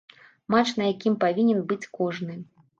Матч, на якім павінен быць кожны!